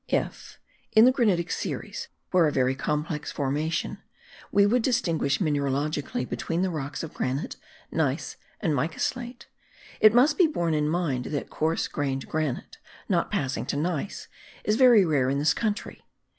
If, in the granitic series, where a very complex formation, we would distinguish mineralogically between the rocks of granite, gneiss, and mica slate, it must be borne in mind that coarse grained granite, not passing to gneiss, is very rare in this country.